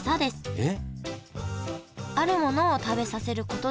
えっ！？